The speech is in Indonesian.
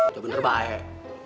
jawab bener baik